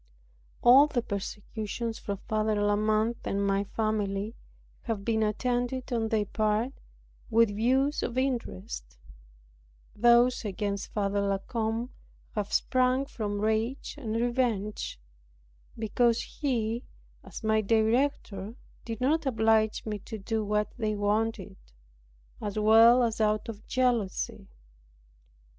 All the persecutions from Father La Mothe and my family have been attended on their part with views of interest; those against Father La Combe have sprung from rage and revenge, because he, as my director, did not oblige me to do what they wanted; as well as out of jealousy.